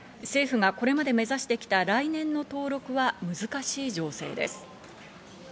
政府がこれまで目指してきた来年の登録は、難しい情勢です。